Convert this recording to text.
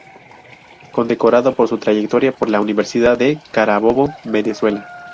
Condecorado por su trayectoria por la Universidad de Carabobo, Venezuela.